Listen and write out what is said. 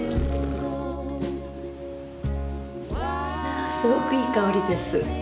あすごくいい香りです。